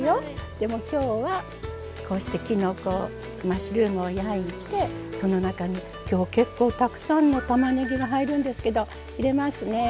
でも今日はマッシュルームを焼いてその中に、今日、結構たくさんのたまねぎが入るんですけど、入れますね。